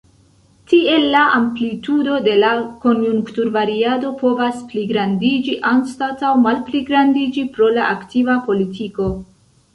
Tiel la amplitudo de la konjunkturvariado povas pligrandiĝi anstataŭ malpligrandiĝi pro la aktiva politiko.